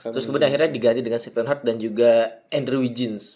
terus kemudian akhirnya diganti dengan sitton hart dan juga andrew wiggins